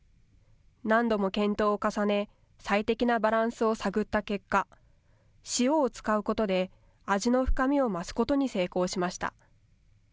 何度も検討を重ね最適なバランスを探った結果、塩を使うことで味の深みを増すことに成功しました。